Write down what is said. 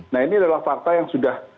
nah ini adalah fakta yang sudah